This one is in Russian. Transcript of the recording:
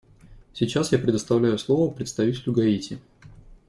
Сейчас я предоставляю слово представителю Гаити.